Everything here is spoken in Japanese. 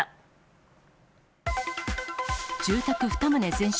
住宅２棟全焼。